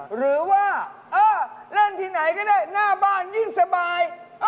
หรือว่าเล่นที่ไหนก็ได้หน้าบ้านยิ่งสบาย